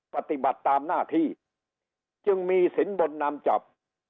ปฏิบัติตามหน้าที่จึงมีสินบนนำจับ